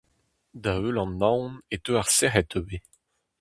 Da-heul an naon e teu ar sec'hed ivez !